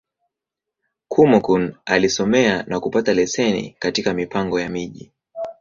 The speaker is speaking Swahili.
Kúmókụn alisomea, na kupata leseni katika Mipango ya Miji.